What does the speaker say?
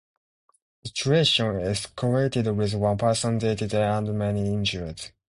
The situation escalated with one person dead and many injured.